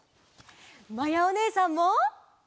まやおねえさんも。